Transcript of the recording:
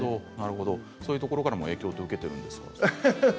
そういうところからも影響を受けているんですか。